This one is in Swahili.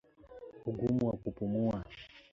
Ugumu wa kupumua